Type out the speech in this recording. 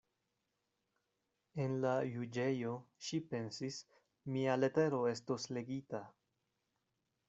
En la juĝejo, ŝi pensis, mia letero estos legita.